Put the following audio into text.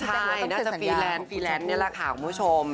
ใช่น่าจะฟรีแลนซ์นี่แหละค่ะคุณผู้ชม